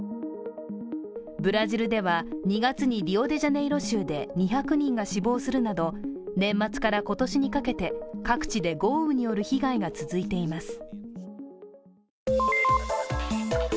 ブラジルでは、２月にリオデジャネイロ州で２００人が死亡するなど年末から今年にかけて、各地で豪雨による被害が続いています。